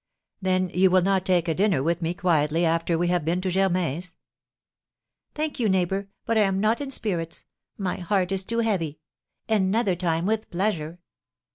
"Then you will not take a dinner with me quietly after we have been to Germain's?" "Thank you, neighbour; but I am not in spirits, my heart is too heavy, another time with pleasure.